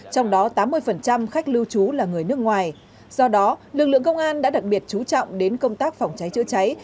trong đó tám mươi khách lưu trú là người nước ngoài do đó lực lượng công an đã đặc biệt chú trọng đến công tác phòng cháy chữa cháy